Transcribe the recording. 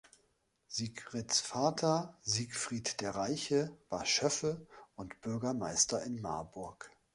Siegfrieds Vater, "Siegfried der Reiche", war Schöffe und Bürgermeister in Marburg.